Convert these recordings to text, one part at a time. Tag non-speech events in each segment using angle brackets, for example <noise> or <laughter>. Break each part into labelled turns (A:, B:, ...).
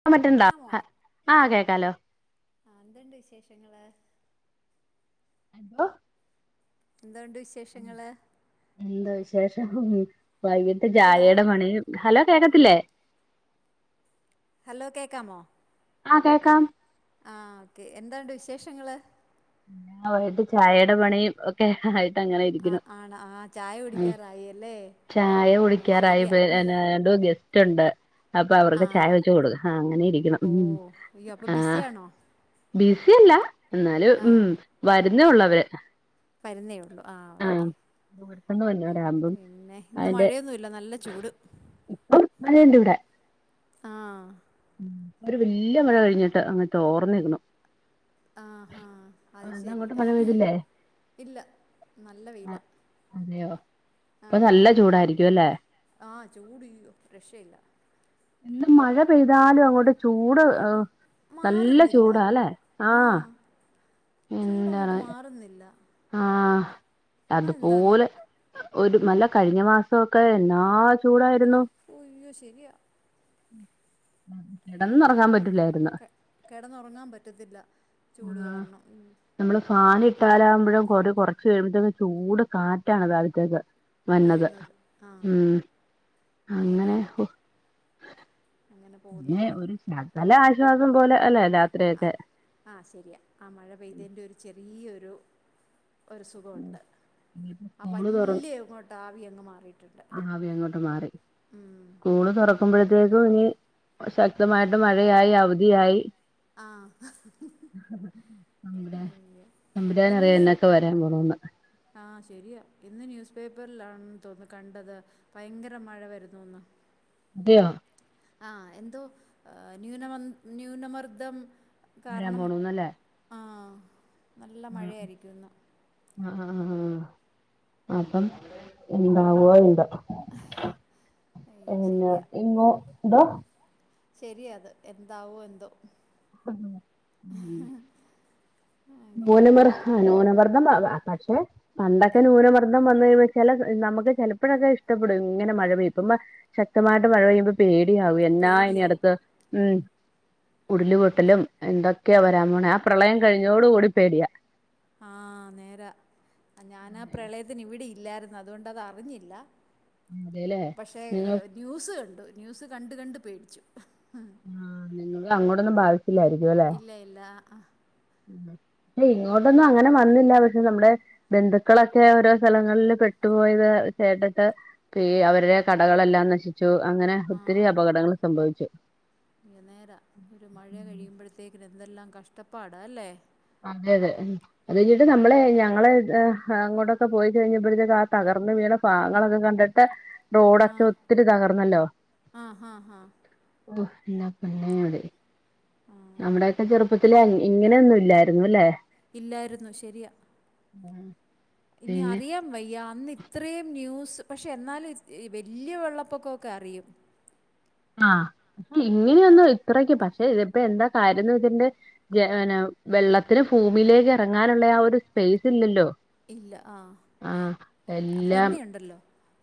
A: ക്കാൻ പറ്റുണ്ടോ
B: ഹമോ
A: ആഹ് കേൾക്കാലോ
B: ആഹ് എന്തുണ്ട് വിശേഷങ്ങള്
A: <inaudible>
B: എന്തുണ്ട് വിശേഷങ്ങള്
A: എന്താ വിശേഷം വൈകിട്ട്
B: ഹലോ
A: ചായയുടെ പണിയും ഹലോ കേക്കത്തില്ലേ
B: ഹലോ കേൾക്കാമോ
A: ആഹ് കേക്കാം
B: ആഹ് ക്കെ എന്താണ്ട് വിശേഷങ്ങള്
A: ഞാൻ വൈകിട്ട് ചായയുടെ പണിയും ഒക്കെ ആയി
B: ആഹ് ആണോ ആഹ് ചായ കുടിക്കാറായിയല്ലേ
A: ചായ കുടിക്കാറായിപ്പോ രണ്ടൂ ന്ന് ഗെസ്റ്റ് ഉണ്ട് അപ്പൊ
B: ആ
A: അവർക്ക് ചായ വെച്ച കൊടുക ആഹ് അങ്ങനെ ഇരിക്കണു
B: ഓ അയ്യോ അപ്പൊ
A: ആഹ്
B: ബിസിയാണോ
A: ബിസി അല്ല എന്നാലും
B: ആ
A: ഉം വരുന്ന ഉള്ളവര്
B: വരുന്നേ ഉള്ളൂ ആഹ് ഓക്കേ
A: ദൂരത്തുന്ന് വന്നവരാകുമ്പം
B: പിന്നെ ഇന്ന്
A: അതിന്റെ
B: മഴയൊന്നുമില്ല നല്ല ചൂട്
A: <unintelligible>
B: ആഹ്
A: ഒരു വല്യ മഴ കഴിഞ്ഞിട്ട് അങ്ങ് തോർന്നിരുന്നു
B: ആഹ് ആഹ്അത്
A: അവിടെ
B: ശരി
A: അങ്ങോട്ട് മഴ പെയ്തില്ലേ
B: ഇല്ല നല്ല വയില
A: അതെയോ അപ്പൊ നല്ല ചൂടായിരിക്കും അല്ലെ
B: ആഹ് ചൂടിയ്യോ രക്ഷയില്ല
A: എന്ത് മഴ പെയ്താലും അങ്ങോട്ട് ചൂട് നല്ല
B: മാറുന്നില്ല
A: ചൂടാല്ലേ
B: ആ
A: ആഹ്
B: ചൂടങ്ങോട്ട്
A: എന്താണ്
B: മാറുന്നില്ല
A: ആഹ് അതുപോലെ
B: അതെന്താന്നറി
A: ഒരു നല്ല കഴിഞ്ഞ മാസൊക്കെ എന്നാ ചൂടായിരുന്നു
B: ഉയ്യോ ശരിയ
A: കിടന്നൊറൻ പറ്റില്ലായിരുന്നു
B: കി കിടന്നുറങ്ങാൻ പറ്റത്തില്ല ചൂട്
A: ആഹ്
B: കാരണം
A: നമ്മള് ഫാനിട്ടാലാകുമ്പോഴും ഒരു കുറച്ച കഴിയുമ്പോഴത്തേക്കെ ഒരു ചൂട് കാറ്റാണ് താഴത്തേക്ക് വന്നത്
B: വരുന്നത് ആ
A: ഉം
B: നേരാ
A: അങ്ങനെ
B: അത് അങ്ങനെ പോകുന്നു
A: പിന്നെഒരു ശകല ആശ്വാസം പോലെ അല്ലേ
B: ആ
A: രാത്രിയൊക്കെ
B: ആ ശരിയ ആ മഴ പെയ്തതിൻ്റെ ഒരു ചെറിയൊരു ഒരു സുഖമുണ്ട്
A: ഇനിയിപ്പോ
B: ആ
A: സ്കൂള് തുറ
B: വലിയ ഇങ്ങോട്ട് ആവി അങ്ങ് മാറിയിട്ടുണ്ട്
A: ആവി അങ്ങോട്ട് മാറി
B: ഉം.
A: സ്കൂള് തുറക്കുമ്പോഴത്തേക്കും ഇനി ശക്തമായിട്ട് മഴയായി അവധിയായി
B: ആഹ്
A: തമ്പുരാനറിയ എന്നൊക്കെ വരാൻ പോണുന്ന്
B: ആ ശരിയ ഇന്ന് ന്യൂസ് പേപ്പറിലാാണ് തോന്നുന്നു കണ്ടത് ഭയങ്കര മഴ വരുന്നുന്ന്
A: തയോ
B: ആ എന്തോ ന്യൂനമ ന്യൂനമർദം
A: വരാൻ
B: കാരണം
A: പോണൂന്നല്ലേ
B: ആഹ് നല്ല
A: ആഹ്
B: മഴയായിരിക്കും ഇന്ന്
A: ആഹ് ആഹ് അപ്പം ഉണ്ടാവോ എന്തോ
B: അയ്യോ
A: പിന്നെ ഇങ്ങോ തൊ
B: ശരിയാത് എന്താവോ എന്തോ
A: ഉം ഉം
B: ആ, അങ്ങനെ പോകുന്നു
A: ന്യൂനമർഹ്. ന്യൂനമർദ്ദം പക്ഷെ പണ്ടൊക്കെ ന്യൂനമർദ്ദ വസന്തം വന്ന് കഴിയ്പ ചെല നമക്ക് ചെലപ്പഴൊക്കെ ഇഷ്ടപ്പെടും ഇങ്ങനെ മഴ പെയുമ്പ. ശക്തമായിട്ട് മഴ പെയ്യുമ്പ പേടിയാവ എന്നാ ഇനി
B: പേടിയാവും
A: അടുത്ത് ഉം ഉടുല് പൊട്ടലും എന്തൊക്കെയാ വരാണ ആ പ്രളയം കഴിഞ്ഞോട് കൂടി പേടിയാ.
B: ആ നേര ആ ഞാനാ പ്രളയത്തിന് ഇവിടെ ഇല്ലായിരുന്നു. അതുകൊണ്ടത് അറിഞ്ഞില്ല.
A: അതെല്ലേ
B: പക്ഷേ
A: നിങ്ങൾ
B: ന്യൂസ് കണ്ട്. ന്യൂസ് കണ്ട പ കണ്ട് പേടിച്ചു
A: ആ ഇന്ന് അങ്ങോട്ടൊന്നും ബാധിച്ചില്ലായിരിക്കും അല്ലെ
B: ഇല്ല ഇല്ല ആഹ്
A: ഇങ്ങോട്ടൊന്നും അങ്ങനെ വന്നില്ല പക്ഷെ നമ്മുടെ ബന്ധുക്കളൊക്കെ ഓരോ സ്ഥലങ്ങളില്. പെട്ടുപോയത് കേട്ടിട്ട് പി അവരുടെ കടകളെല്ലാം നശിച്ചു അങ്ങനെ ഒത്തിരി അപകടങ്ങള് സംഭവിച്ചു.
B: നേര ഒരു മഴ കഴിയുമ്പോഴത്തേക്ക്ന് എന്തെല്ലാം കഷ്ടപ്പാട അല്ലേ?
A: അതെ അതെ ഉം അത് കഴിഞ്ഞിട്ട് നമ്മള് ഞങ്ങളെ അങ്ങോട്ടൊക്കെ പോയി കഴിഞ്ഞപ്പോഴത്തേക്ക് ആഹ് തകർന്ന് വീണ പാഗങ്ങളൊക്കെ കണ്ടിട്ട് ഇപ്പ റോഡൊക്കെ
B: ആഹ്
A: ഒത്തിരി തകർന്നല്ലോ?
B: ആഹ് ആഹ് ആഹ്
A: ഒ ഇന്നാ പിന്നെ ഒര്
B: ആഹ്
A: നമ്മുടെയൊക്കെ ചെറുപ്പത്തില് ഇങ്ങനെയൊന്നും ഇല്ലായിരുന്നുല്ലെ.
B: ഇല്ലായിരുന്നു ശെര്യാ
A: ഉം
B: ഇനി അറിയൊ വയ്യ അന്ന് ഇത്രീയും ന്യൂസ്. പക്ഷെ എന്നാലും വലിയ വെള്ളപ്പൊക്കൊക്കെ അറിയും
A: ആഹ് ഇങ്ങനെ ഒന്ന് ഇത്രക്ക് പക്ഷെ ഇതിപ്പോ എന്താ കാര്യം എന്ന് വെച്ച്ണ്ട്‌ ചാഹന വെള്ളത്തിന് ഭൂമിയിലേക്ക് എറങ്ങാനുള്ള ആഹ് ഒരു സ്പേയ്സ് ഇല്ലല്ലോ?
B: ഇല്ല ആഹ്
A: ആഹ് എല്ലാം
B: പിന്നെ ഉണ്ടല്ലോ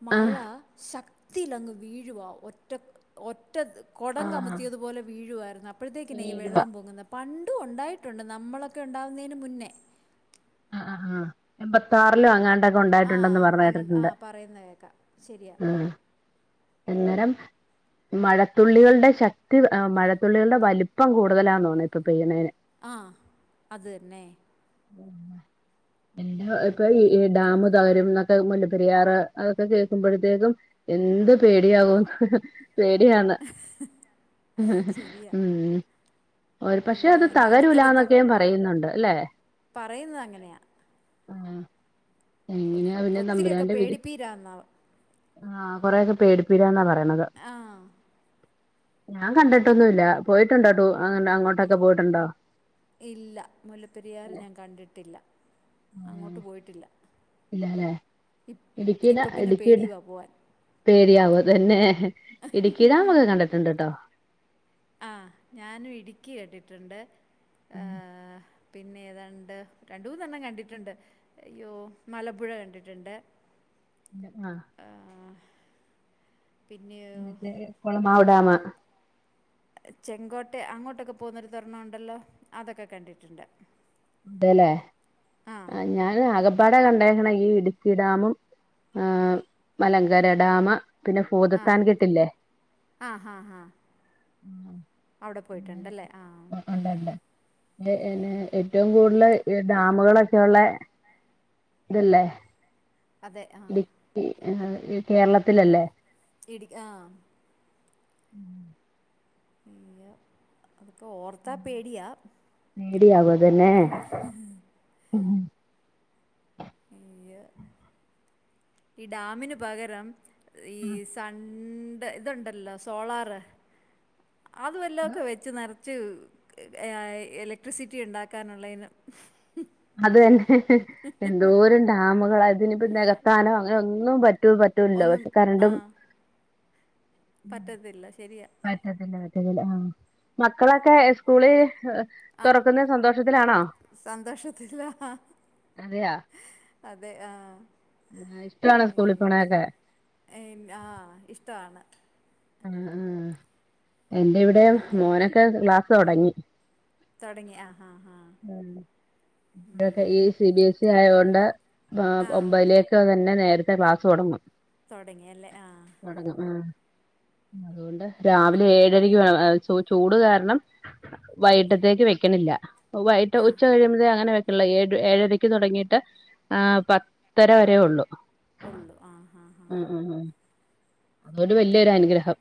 B: മഴ
A: ആഹ്
B: ശക് ത്തില്ലങ്ങ് വീഴുവാ. ഒറ്റക് ഒറ്റ
A: ആഹ്
B: കൊടംകമത്തിയതുപോലെ വീഴുവായിര്ന്നു. അപ്പോഴത്തേക്കെന്നെ ഈ
A: വീഴുവ
B: വെള്ളം പൊങ്ങുന്നത്. പണ്ടും ഉണ്ടായിട്ടുണ്ട് നമ്മളൊക്കെ ഉണ്ടാവുന്നയ്ന് മുന്നെ.
A: ആഹ് ആഹ് എൺമ്പത്താറിലോ അങ്ങാണ്ട
B: ആഹ് അങ്ങ ആഹ് പറയുന്നത് കേൾക്കാം ശെരിയാ
A: അന്നെരം മഴത്തുള്ളികളുടെ ശക്തി മഴത്തുള്ളികളുടെ വലിപ്പം കൂടുതലാന്നാ തോന്ന്ന്ന് ഇപ്പൊ പെയ്ണേന്.
B: ആഹ് അത് തന്നെ
A: ഇന്നാ ഇപ്പൊ ഈ ഡാമ് കര്യം ഇന്നാത്തെ മുല്ലപ്പെരിയാറ് അതൊക്കെ കേൾക്കുമ്പോഴത്തേക്കും എന്ത് പേടിയാവും പേടിയാന്ന്
B: ശരിയാ
A: ഉം ഒരു പക്ഷെ
B: അയ്യ
A: അത്
B: അതിൻ്റെ അടുത്തൊക്കെത്താ
A: തകരൂലന്നൊക്കെ പറയുന്നുണ്ട്ല്ലെ
B: പറയുന്നത് അങ്ങനെയാ
A: ആഹ് എങ്ങനെ ആ തമ്പുരാന്റെ വിതി
B: തിരാന്നാവ്
A: ആഹ് കൊറെക്കെ പേടിപ്പിക്കാന്നാ പറി ണത്
B: ആ
A: ഞാൻ കണ്ട ട്ടൊന്നും ഇല്ല പോയിട്ടുണ്ടോ ടു അങ്ങന അങ്ങോട്ടൊക്കെ പോയിട്ടുണ്ടോ?
B: ഇല്ല മുല്ലപ്പെരിയാറ് ഞാൻ കണ്ടിട്ടില്ല അങ്ങോട്ട് പോയിട്ടില്ല
A: ഇല്ലല്ലേ
B: ഇപ്പ് ഇപ്പൊ പിന്നെ പേടിവാ പോവാൻ
A: പേടിയാവ തന്നെ ഇടുക്കിടാമൊക്കെ കണ്ടിട്ടുണ്ട്ട്ടോ
B: ആഹ് ഞാനും ഇടുക്കി കേട്ടിട്ടുണ്ട് ഏഹ് പിന്നെ ഏതാണ്ട് രണ്ട് മൂന്നെണ്ണം കണ്ടിട്ടുണ്ട് അയ്യോ മലമ്പുഴ കണ്ടിട്ടുണ്ട്
A: ആഹ്
B: ആ, പിന്നെ
A: ഇന്നിട്ട് കെളമാവ്ടാമ്
B: ചെങ്കോട്ടെ അങ്ങോട്ടൊക്കെ പോകുന്നൊരു തരണം ഉണ്ടല്ലോ അതൊക്കെ കണ്ടിട്ടുണ്ട്
A: അതെല്ലേ
B: ആ
A: ആഹ് ഞാൻ ആകെ പാടെ കണ്ടെക്ക്ണ് ഈ ഇടുക്കി ഡാമും മലങ്കര ഡാമ് പിന്നെ ഫോതത്താൻ കെട്ടില്ലേ?
B: ആഹ് ആഹ് ആഹ്
A: ആഹ് ങ്ങനെ
B: ആ
A: ഉണ്ട് ഉണ്ട് ഏഹ് ഏയ്ൻ ഏറ്റവും കൂടുതൽ ഡാമുകളൊക്കെയുളെ
B: ആഹ്
A: ഇതല്ലേ
B: അതെ ആഹ്
A: ഇടുക്കി കേരളത്തിലല്ലേ
B: ഇടി ആഹ്
A: ഉം
B: ഇല്യ അതൊക്കെ ഓർത്താ പേടിയാ
A: പേടിയാവും അതെന്നെ
B: ഈ ഡാമിന് പകരം ഈ സൺ ണ്ട് ഇതുണ്ടല്ലോ സോളാർ അത് വല്ലൊക്കെ വെച്ച് നേരത്തി വെച്ച് ഇലക്ട്രിസിറ്റി ഉണ്ടാക്കാനുള്ളതിനും
A: അത് തന്നെ എന്തോരം ഡാമുകള അതിനിപ്പ നികത്താനോ അങ്ങനെ ഒന്നും പറ്റൂ പറ്റൂല പറ്റൂല്ല
B: ഒന്നും
A: പക്ഷെ
B: ആ
A: കറണ്ടും
B: പറ്റത്തില്ല ശരിയാ
A: പറ്റത്തില്ല പറ്റത്തില്ല ആഹ് മക്കളൊക്കെ സ്കൂള് തൊറക്കുന്ന സന്തോഷത്തിലാണോ
B: സന്തോഷത്തില്ല
A: അതെയ
B: അതെ ആഹ്
A: ഇഷ്ടാണ് സ്കൂളിൽ പോണല്ലെ
B: ഏഹ് ആഹ് ഇഷ്ടാണ്
A: ഉം ഉം എന്റെ ഇവിടെ മോനൊക്കെ ക്ലാസ് തൊടങ്ങി
B: തുടങ്ങിയ ആഹ് ആഹ്
A: ഇതൊക്കെ ഈ സി ബി എസ് ഇ ആയൊണ്ട
B: ആ
A: ഒമ്പയിലെക്ക പ്പ അതന്നെ നേരത്തെ ക്ലാസ് തൊടങ്ങും
B: തൊടങ്ങിയല്ലേ ആഹ്
A: ഉം അതുകൊണ്ട് രാവിലെ ഏഴരക്ക് വേണം ചോറ് ചൂട് കാരണം വൈകിട്ടത്തേക്ക് വെക്കണില്ല വൈകിട്ട്
B: ആ
A: ഉച്ച കഴിയുമ്പ അങ്ങനെ ള്ള ഏഴ് ഏഴരയ്ക്ക് തുടങ്ങിയിട്ട് ആഹ് പത്ത് പത്തര വരേ ഉള്ളു
B: ഉള്ളു ആ ഹാ ഹാ
A: ഉം ഉം ഉം അതു വലിയൊരു അനുഗ്രഹം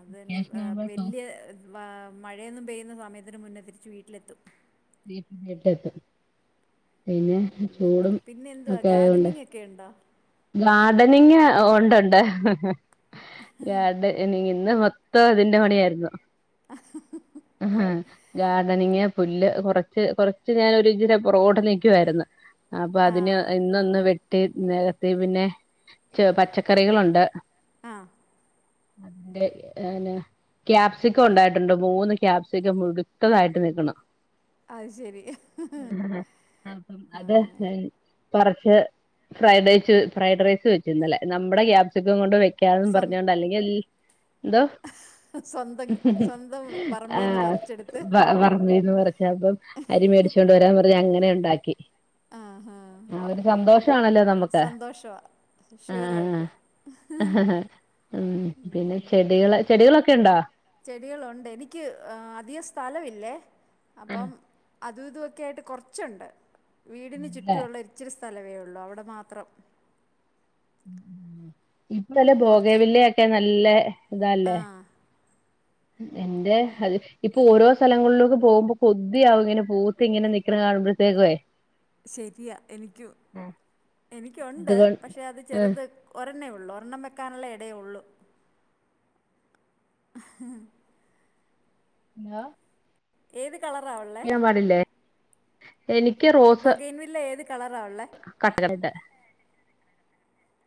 B: അതന്നെ
A: വെക്കേഷൻ
B: ആഹ് വ്
A: ആകുമ്പോ
B: വെല്യ ആഹ് ഏഹ് മഴയൊന്നും പെയ്യുന്ന സമയത്തിന് മുന്നേ തിരിച്ച് വീട്ടിലെത്തും
A: <unintelligible> പിന്നെ ചൂടും
B: പിന്നെ എന്തുവാ
A: ഒക്കെ ആയത് കൊണ്ട്.
B: ഗാർഡനിങ് ഒക്കെ ഉണ്ടോ
A: ഗാർഡനിങ് ഉണ്ടുണ്ട് ഗാർഡനിനിങ് ന്ന് ഇതിന്റെ പണിയായിരുന്നു ഗാർഡനിംഗ് പുല്ല് കുറ കൊറച്ച് ഞാനൊന്നു പിറകോട്ട് നക്കുമായിരുന്നു അപ്പൊ
B: ആ
A: അതിന് ഇന്നൊന്ന് വൊ ട്ടി നേരത്തി പിന്നെ ച പച്ചക്കറികളുണ്ട്.
B: ആഹ്
A: അതിന്റെ നെ ക്യാപ്സിക്കം ഉണ്ടായിട്ടുണ്ട് മൂന്ന് ക്യാപ്സിക്കം മുഴുത്തതായിട്ട് നിൽക്കണ്.
B: അത് ശരി
A: ആഹ് അപ്പം
B: ആ
A: അത് പറിച്ച്. ഫ്രൈഡ് ഡൈസ് ഫ്രൈഡ് റൈസ് വെച്ചിന്നലെ നമ്മുടെ ക്യാപസിക്കം കൊണ്ട്. ക്കാന്നും
B: സ്വ
A: പറഞ്ഞോണ്ട് അല്ലെങ്കിൽ എന്തോ
B: സ്വന്തം സ്വന്തം പറമ്പിൽ നിന്ന്
A: ആഹ്
B: പറിച്ചെടുത്ത്
A: വ അതീന്ന് പറച്ചപ്പം അരിമേടിച്ചൊണ്ട് വരാൻ പറഞ്ഞ് അങ്ങനെ ഉണ്ടാക്കി.
B: ആ
A: ആ ഒരു സന്തോഷമാണല്ലോ നമുക്ക്.
B: സന്തോഷം ഷുവറായിട്ട്.
A: ആഹ് ആഹ് ഉം പിന്നെ ചെടികൾ ചെടികളൊക്കെ ഉണ്ടോ
B: ചെടികളുണ്ട് എനിക്ക് അധികം സ്ഥലമില്ലേ അപ്പം അതും ഇതൊക്കെ ആയിട്ട് കുറച്ചുണ്ട് വീടിന്
A: ഇല്ല
B: ചുറ്റുമുള്ള ഇരിച്ചിരി സ്ഥലമേ ഉള്ളൂ അവിടെ മാത്രം.
A: ഇപോ
B: കുറച്ച്
A: ബോഗവില്ലൊക്കെ നല്ല
B: ആ
A: ഇതാല്ലേ. എന്റെ അത് ഇപ്പൊ ഓരോ സ്ഥലങ്ങൾള്ള്ക്കെ പോമ്പോ കൊതിയാവും ഇങ്ങനെ പൂത്ത് ഇങ്ങനെ നിക്കണ കാണുമ്പഴത്തേക്കെ.
B: ശെരിയാ എനിക്കും എനിക്കൊണ്ട്
A: അതുകൊ
B: പക്ഷെ അത്
A: ആഹ്
B: ചെറുത് ഒരെണ്ണേ ഉള്ളു ഒരെണ്ണം വെക്കാനുള്ള എടെ ഉള്ളൂ. ഹ്.
A: <inaudible>
B: ഏത് കളറ ഒള്ളെ?
A: ഞാൻ പാടില്ലേ എനിക്ക് റോസ്
B: ബൊഗൈൻ വില്ല ഏത് കളറാ ഉള്ളെ?
A: കട്ട കട്ടായിട്ട്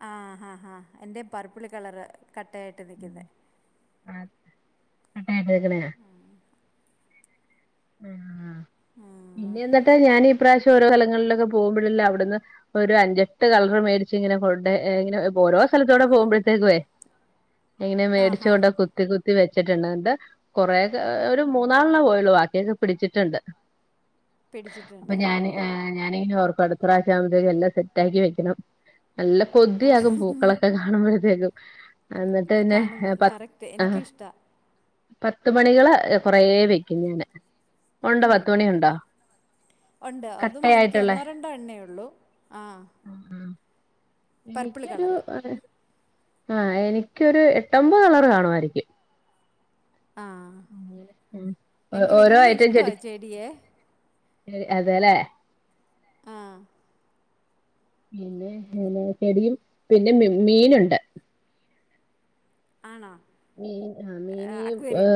B: ആഹ ഹാ ഹാ എന്റെ പ്പർപ്പിൾ കളർ കട്ടയായിട്ട് നിക്ക്ന്നെ.
A: ആ കട്ടായ്ട്ട്ക്ണെ ആ പിന്നെ എന്നിട്ട് ഞാൻ ഇ പ്രാവശ്യം ഓരോ സ്ഥലങ്ങൾള്ളോക്കെ പോമ്പോഴല്ല അവിടുന്ന് ഇപ്പൊ ര് അഞ്ചെട്ട് കളർ മേടിച്ച് ഇങ്ങനെ കൊണ്ടേ ഇങ്ങനെ ഓരോ സ്ഥലത്തോടെ പോമ്പത്തേക്കുവെ എങ്ങനെ
B: ആ ഹാ
A: മേടിച്ചോണ്ട് കു കുത്തി കുത്തി വെച്ചിട്ടുണ്ട് ണ്ട് കൊറെ കെ ഒരു മൂന്നാലണ്ണം പോയുള്ളു ഭ <unintelligible> പിടിച്ചിട്ടുണ്ട് അപ്പൊ
B: പിടിച്ചിട്ടുണ്ട് ആ
A: ഞാന് ഞാൻ ഞാനിങ്ങനെ ഓർകു അടുത്ത പ്രവശൃം ആമ്പതേക്ക് എല്ലാം സെറ്റ് ആക്കി വെക്കണം നല്ല കൊതിആകും പൂക്കളൊക്കെ കാണുമ്പഴത്തേക്കും എന്നിട്ട് പിന്നെ
B: കാണുമ്പോൾ
A: പ
B: കറക്റ്റ്
A: ആ.
B: എനിക്കും ഇഷ്ടമാണ്
A: പത്ത് മണികള് കൊറേ വെയ്ക്കും ഞാന്. ഉണ്ടോ
B: മ്
A: പത്ത് മണി ഉണ്ടോ
B: ഒണ്ട് അതും എനിക്ക്
A: കട്ടയായിട്ടുള്ളേ
B: ഒന്നോ രണ്ടോ എണ്ണേ ഉള്ളൂ ആ. പർപ്പിൾ
A: എനിക്കൊരു
B: കളറ്
A: ആ എനിക്കൊരു എട്ടമ്പത് കളർ കാണുവായിരിക്കും.
B: ആ
A: അങ്ങനെ
B: എനിക്ക്
A: ഓരോ
B: വെല്ല്യ ഇഷ്ട ചെടിയെ
A: അതെലെ?
B: ആഹ്.
A: പിന്നെ ചെടിയും പിന്നെ മി മീനുണ്ട്.
B: ആണോ.?
A: മീൻ ആ മീന് അ
B: അക്വേറിയം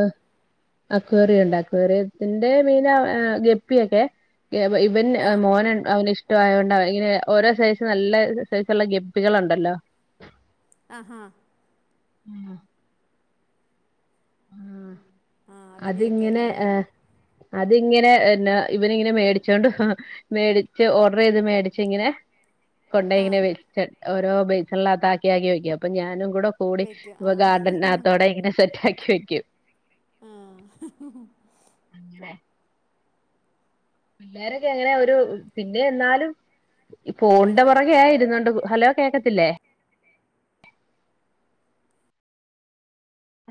A: അക്വേറിയമൊണ്ട് അക്വേറിയത്തിന്റെ മീനാ ആ ഗപ്പിയൊക്കെ എവൻ ഇവൻ
B: ആ
A: മോനെ അവനിഷ് ഷ്ടായായോണ്ടാ ഇങ്ങനെ ഓരോ സൈസ് നല്ല സൈസുള്ള ഗപ്പികളോണ്ടല്ലോ
B: ആഹാ
A: ഉം ആ
B: ആ അതിനെയൊക്കെ
A: അതിങ്ങനെ
B: ആ
A: എ അതിങ്ങനെ എന്നാ ഇവനിങ്ങനെ മേടിച്ചോണ്ട് മേടിച്ച് ഓഡറുചെയ്ത് മേടി ച്ചിങ്ങനെ
B: ആ
A: കൊണ്ടോയിങ്ങനെ വെച്ച് ഓരോ ബേയ്സൺളാതാക്കി ആക്കി വെയ്ക്കും അപ്പൊ ഞാനും കൂടെ കൂടി
B: വയ്ക്കും ആ
A: ഇപ്പൊ ഗാർഡനാത്തോടെ ഇങ്ങനെ സെറ്റാക്കി വെയ്ക്കും.
B: ആ
A: <inaudible> പിള്ളോരൊക്കെ എങ്ങനെയാ ഒരു പിന്നെയെന്നാലും ഈ ഫോണിന്റെ
B: ഹലോ
A: പൊറകെയാ ഇരുന്നോണ്ട് ഹലോ കേക്കത്തില്ലേ